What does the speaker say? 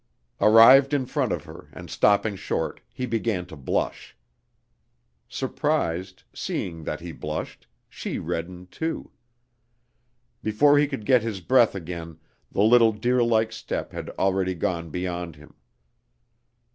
Arrived in front of her and stopping short, he began to blush. Surprised, seeing that he blushed, she reddened too. Before he could get his breath again the little deerlike step had already gone beyond him.